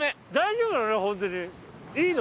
丈夫なの？